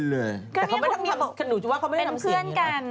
แต่เขาไม่ต้องพูดว่าเขาไม่ได้ทำเสียงอย่างนี้แหละ